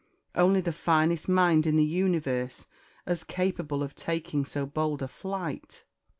Only the finest mind in the universe as capable of taking so bold a flight.